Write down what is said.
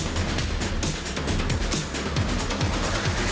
สวัสดีครับ